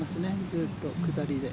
ずっと下りで。